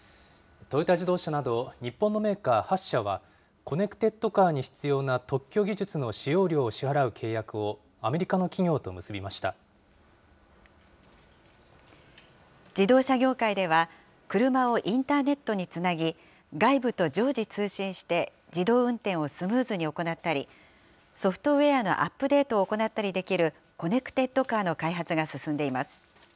トヨタ自動車など、日本のメーカー８社は、コネクテッドカーに必要な特許技術の使用料を支払う契約を、アメ自動車業界では、車をインターネットにつなぎ、外部と常時通信して、自動運転をスムーズに行ったり、ソフトウエアのアップデートを行ったりできる、コネクテッドカーの開発が進んでいます。